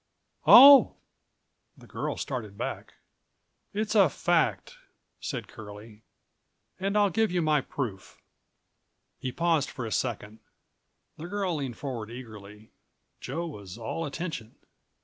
"Oh!" the girl started back. "It's a fact," said Curlie, "and I'll give you my proof." He paused for a second. The girl leaned forward eagerly. Joe was all attention.